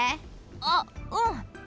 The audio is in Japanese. あっうん。